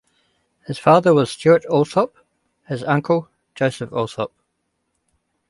His father was Stewart Alsop; his uncle, Joseph Alsop.